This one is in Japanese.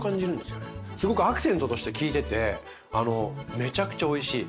すごくアクセントとして効いててめちゃくちゃおいしい。